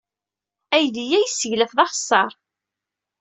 Aydi-a yesseglaf d axeṣṣar.